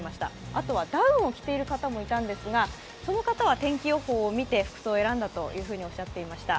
あとはダウンを着ている方もいたんですが、その方は天気予報を見て服装を選んだというふうにおっしゃっていました。